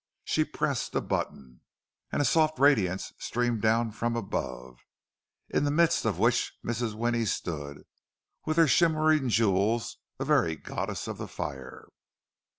She pressed a button, and a soft radiance streamed down from above, in the midst of which Mrs. Winnie stood, with her shimmering jewels a very goddess of the fire.